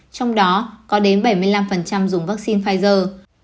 trong đó có đến bảy mươi năm dùng vaccine pfizer